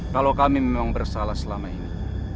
kalau kami memang bersalah selama ini